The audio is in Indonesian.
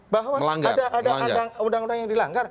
bahwa ada undang undang yang dilanggar